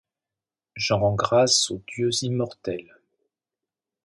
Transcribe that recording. J’en rends grâces aux dieux immortels.